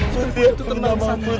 putri aku minta maaf putri